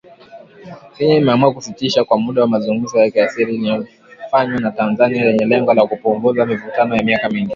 Kenya imeamua kusitisha kwa muda mazungumzo yake ya siri yaliyofanywa na Tanzania yenye lengo la kupunguza mivutano ya miaka mingi.